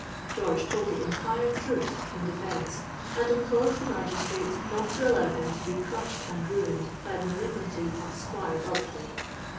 George told the entire truth in defence, and implored the magistrates not to allow him to be crushed and ruined by the malignity of Squire Bulkeley.